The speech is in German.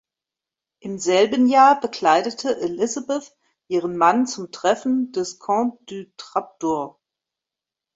Im selben Jahr begleitete Elizabeth ihren Mann zum Treffen des Camp du Drap d’Or.